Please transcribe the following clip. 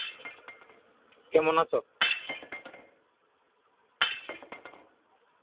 এ প্রক্রিয়া সরকারের দ্বৈত ব্যবস্থা হিসেবে পরিচিত।